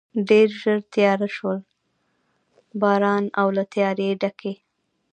ډېر ژر تېاره شول، باران او له تیارې ډکې.